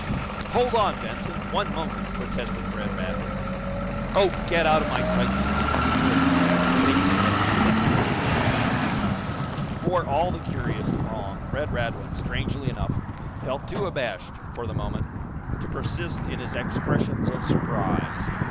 "Hold on, Benson! One moment " protested Fred Radwin. "Oh, get out of my sight, this instant," quivered Jack, taking another step toward his enemy. Before all the curious throng Fred Radwin, strangely enough, felt too abashed, for the moment, to persist in his expressions of surprise.